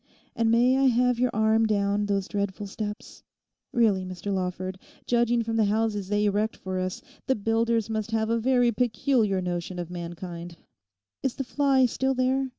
And may I have your arm down those dreadful steps? Really, Mr Lawford, judging from the houses they erect for us, the builders must have a very peculiar notion of mankind. Is the fly still there?